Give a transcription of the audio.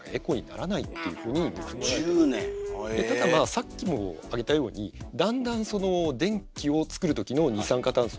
さっきも挙げたようにだんだんその電気を作る時の二酸化炭素